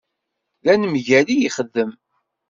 D anemgal i yexdem.